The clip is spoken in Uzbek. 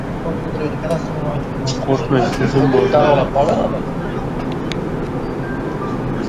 Qo‘rqmang, o‘zim bor!